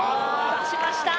出しました！